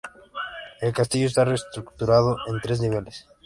El castillo está estructurado en tres niveles.